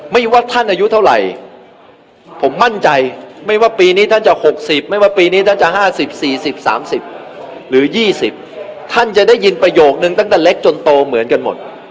ว่าท่านอายุเท่าไหร่ผมมั่นใจไม่ว่าปีนี้ท่านจะ๖๐ไม่ว่าปีนี้ท่านจะ๕๐๔๐๓๐หรือ๒๐ท่านจะได้ยินประโยคนึงตั้งแต่เล็กจนโตเหมือนกันหมด